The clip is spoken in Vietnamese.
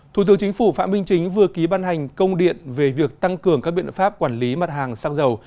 thủ tướng chính phủ phạm minh chính vừa ký ban hành công điện về việc tăng cường các biện pháp quản lý mặt hàng xăng dầu